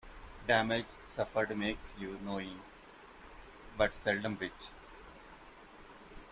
Damage suffered makes you knowing, but seldom rich.